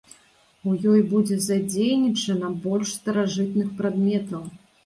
У ёй будзе задзейнічана больш старажытных прадметаў.